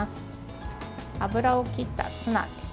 油を切ったツナです。